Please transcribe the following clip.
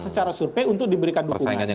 secara survei untuk diberikan dukungan